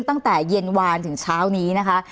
ตั้งแต่เย็นวานถึงเช้านี้นะคะ